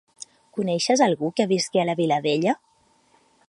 Coneixes algú que visqui a la Vilavella?